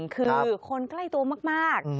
คือคนใกล้ตัวมาก